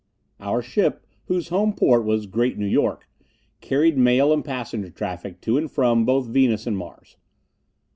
Our ship, whose home port was Great New York, carried mail and passenger traffic to and from both Venus and Mars.